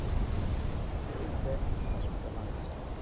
He is then hospitalized.